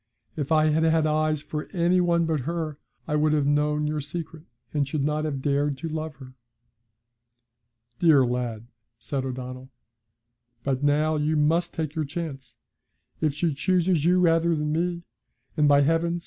If I had had eyes for any one but her, I would have known your secret, and should not have dared to love her.' 'Dear lad!' said O'Donnell. 'But now you must take your chance. If she chooses you rather than me and, by heavens!